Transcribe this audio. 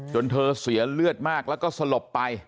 เธอเสียเลือดมากแล้วก็สลบไป